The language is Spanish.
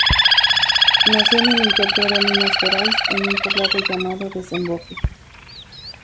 Nació en el interior de Minas Gerais, en un poblado llamado Desemboque.